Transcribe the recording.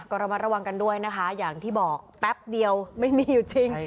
ก็ระมัดระวังกันด้วยนะคะอย่างที่บอกแป๊บเดียวไม่มีอยู่จริง